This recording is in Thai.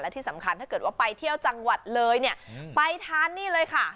ที่สำคัญถ้าเกิดว่าไปเที่ยวจังหวัดเลยเนี่ยไปทานนี่เลยค่ะ